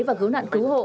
giúp đỡ khách sạn cứu hộ